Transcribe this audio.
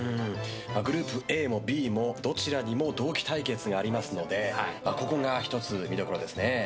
グループＡもＢもどちらにも同期対決がありますのでここが１つ見所ですね。